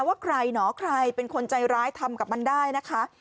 ว่าใครเหรอใครเป็นคนใจร้ายทำกับมันได้นะคะ